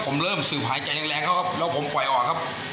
ผมเริ่มสืบหายใจแรงเขาครับแล้วผมปล่อยออกครับ